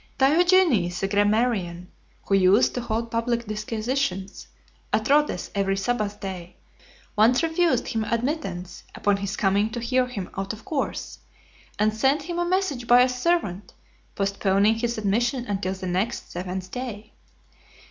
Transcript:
Diogenes, the grammarian, who used to hold public disquisitions, at Rhodes every sabbath day, once refused him admittance upon his coming to hear him out of course, and sent him a message by a servant, postponing his admission until the next seventh day.